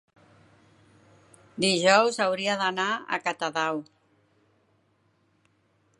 Dijous hauria d'anar a Catadau.